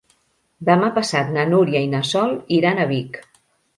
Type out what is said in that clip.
Demà passat na Núria i na Sol iran a Vic.